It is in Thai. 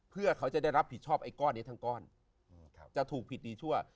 เพื่อเขาจะได้รับผิดชอบไอ้ก้อนนี้ทั้งก้อนจะถูกผิดดีชั่ว